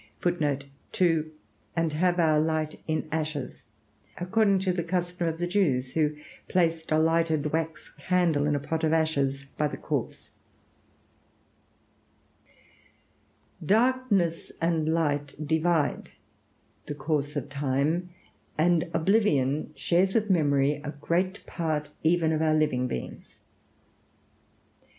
[Footnote 4: According to the custom of the Jews, who placed a lighted wax candle in a pot of ashes by the corpse.] Darkness and light divide the course of time, and oblivion shares with memory a great part even of our living beings.